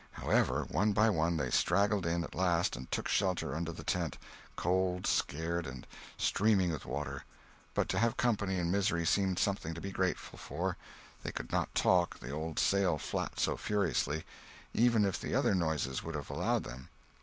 However, one by one they straggled in at last and took shelter under the tent, cold, scared, and streaming with water; but to have company in misery seemed something to be grateful for. They could not talk, the old sail flapped so furiously, even if the other noises would have allowed them.